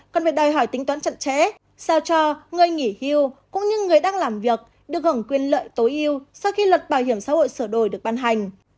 còn về đòi hỏi tính toán chặn trễ sao cho người nghỉ hưu cũng như người đang làm việc được hỏng quyền lợi tối yêu sau khi luật bảo hiểm xã hội sửa đổi được ban hành